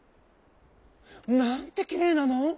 「なんてきれいなの。